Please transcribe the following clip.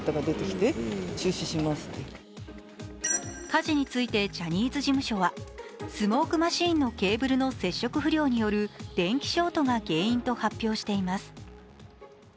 火事についてジャニーズ事務所は、スモークマシーンのケーブルの接触不良による電気ショートが原因と発表しています。